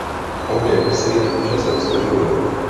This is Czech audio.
Obě vsi časem splynuly.